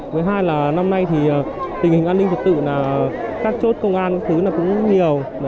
với hai là năm nay thì tình hình an ninh trật tự là các chốt công an các thứ cũng nhiều